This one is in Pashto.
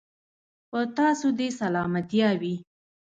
په تاسو دې سلامتيا وي.